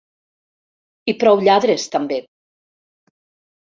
I prou lladres, també!